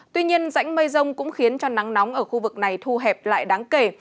tuy nhiên rãnh mây rông cũng khiến cho nắng nóng ở khu vực này thu hẹp lại đáng kể